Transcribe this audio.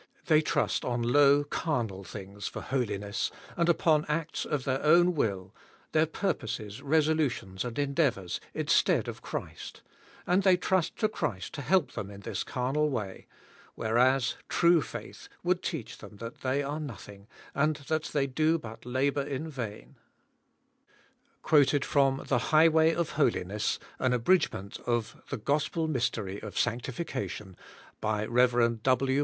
They trust on low carnal things for holi ness, and upon the acts of their own will, their pur 222 ABIDE IN CHRIST: poses, resolutionSj and endeavours, instead of Christ ; and they trust to Christ to help them in this carnal way ; whereas true faith would teach them that they are nothing, and that they do but labour in vain/* * The Highway of Holiness. An Abridgment of the Gospel Mystery of Sanctiflcation, by Rev. W.